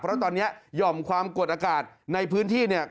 เพราะตอนนี้หย่อมความกดอากาศในพื้นที่เนี่ย